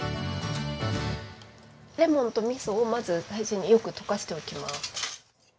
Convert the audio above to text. レモンとみそをまず最初によく溶かしておきます。